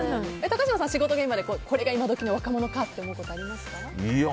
高嶋さん、仕事現場でこれが今時の若者かと思うことありますか？